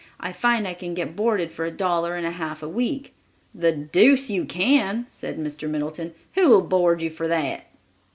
I find I can get boarded for a dollar and a half a week." "The deuce you can," said Mr. Middleton. "Who'll board you for that?"